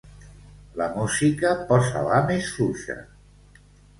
La música posa-la més fluixa.